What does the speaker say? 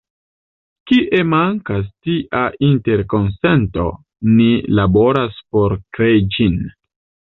Kie mankas tia interkonsento, ni laboras por krei ĝin.